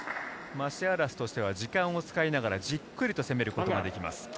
マシアラスとしては、時間を使いながら、じっくりと攻めることができます。